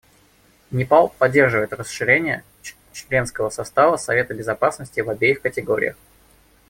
Непал поддерживает расширение членского состава Совета Безопасности в обеих категориях.